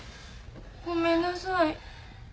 ごめんなさい。